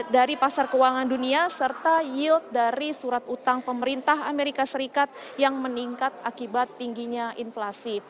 dari pasar keuangan dunia serta yield dari surat utang pemerintah amerika serikat yang meningkat akibat tingginya inflasi